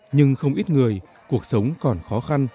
nhưng không ít người cuộc sống còn khó khăn